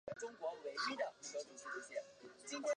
指令按顺序从原指令集翻译为目标指令集。